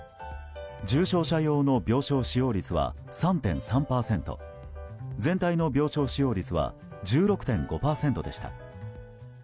重症者用の病床使用率は３．３％全体の病床使用率は１６．５％でした。